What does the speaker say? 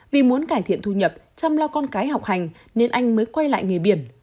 vì muốn cải thiện thu nhập chăm lo con cái học hành nên anh mới quay lại nghề biển